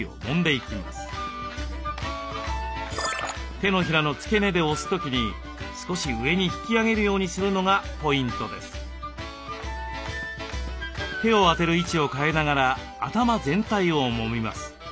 手のひらの付け根で押す時に手を当てる位置を変えながら頭全体をもみます。